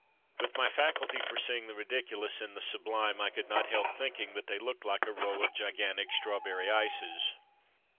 With my faculty for seeing the ridiculous in the sublime I could not help thinking that they looked like a row of gigantic strawberry ices.